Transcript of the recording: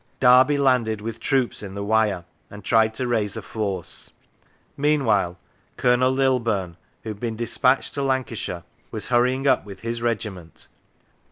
Derby landed with troops in the Wyre, and tried to raise a force. Mean while Colonel Lilburne, who had been despatched to Lancashire, was hurrying up with his regiment.